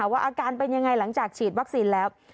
ว่าอาการเป็นยังไงหลังจากฉีดวัคซีนแล้ว